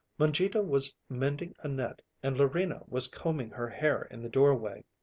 Mangita was mending a net and Larina was combing her hair in the doorway.